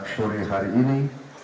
suri hari ini